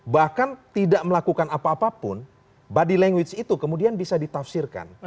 bahkan tidak melakukan apa apa pun body language itu kemudian bisa ditafsirkan